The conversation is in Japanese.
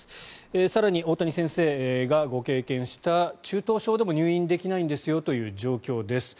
更に大谷先生がご経験した中等症でも入院できないんですよという状況です。